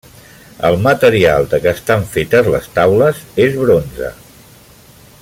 El material de què estan fetes les taules és bronze.